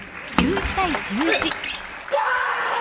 １１対１１。